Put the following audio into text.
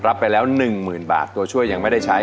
รับไปแล้ว๑หมื่นบาทตัวช่วยไม่ได้ใช้